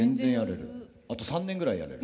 あと３年ぐらいやれる。